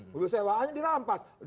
mobil sewaannya dirampas